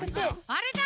あれだ！